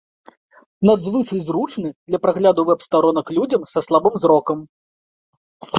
Надзвычай зручны для прагляду вэб-старонак людзям са слабым зрокам.